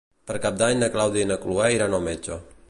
Per Cap d'Any na Clàudia i na Cloè iran al metge.